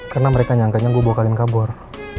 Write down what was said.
karena mereka nyangkanya gue bawa kalian kabur